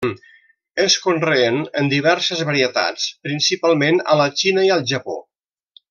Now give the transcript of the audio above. Es conreen en diverses varietats principalment a la Xina i al Japó.